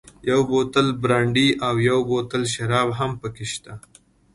یو بوتل برانډي او یو بوتل شراب هم پکې شته.